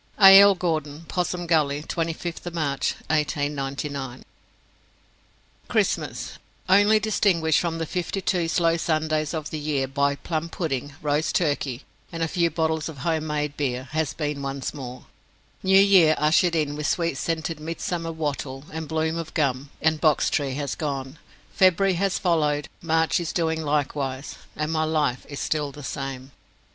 A. L. GORDON. 'Possum Gully, 25th March, 1899 Christmas, only distinguished from the fifty two slow Sundays of the year by plum pudding, roast turkey, and a few bottles of home made beer, has been once more; New Year, ushered in with sweet scented midsummer wattle and bloom of gum and box tree has gone; February has followed, March is doing likewise, and my life is still the same.